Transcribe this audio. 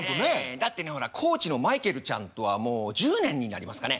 だってねほらコーチのマイケルちゃんとはもう１０年になりますかね？